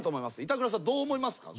板倉さんどう思いますか？